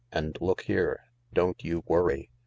"And look here, don't you worry.